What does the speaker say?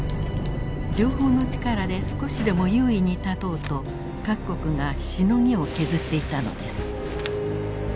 情報の力で少しでも優位に立とうと各国がしのぎを削っていたのです。